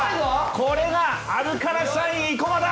これがアルカナシャイン生駒だ！